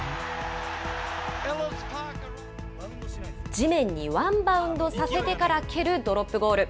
地面にワンバウンドさせてから蹴るドロップゴール。